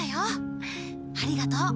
ありがとう。